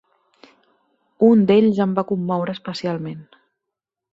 Un d'ells em va commoure especialment.